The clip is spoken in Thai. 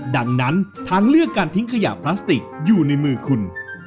ดังนั้นทางเลือกการทิ้งขยะพลาสติกอยู่ในมือคุณ